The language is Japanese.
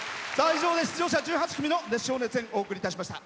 以上で出場者１８組の熱唱・熱演、お送りいたしました。